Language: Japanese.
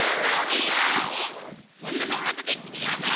そんなのあとできめようぜ！